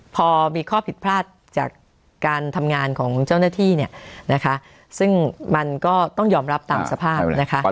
พอมีข้อผิดพลาดจากการทำงานของเจ้าหน้าที่เนี่ยนะคะซึ่งมันก็ต้องยอมรับตามสภาพนะคะ